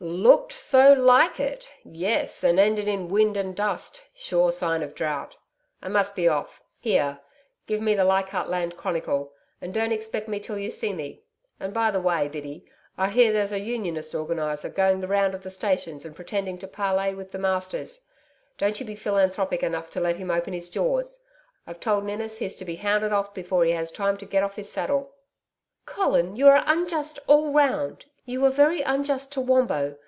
'LOOKED so like it! Yes, and ended in wind and dust. Sure sign of drought! I must be off.... Here, give me the LEICHARDT LAND CHRONICLE, and don't expect me till you see me.... And by the way, Biddy, I hear there's a Unionist Organiser going the round of the stations and pretending to parley with the masters. Don't you be philanthropic enough to let him open his jaws I've told Ninnis he's to be hounded off before he has time to get off his saddle.' 'Colin, you are unjust all round. You were very unjust to Wombo.